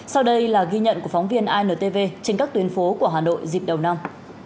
sau đây là ghi nhận của phóng viên intv trên các tuyến phố của hà nội dịp đầu năm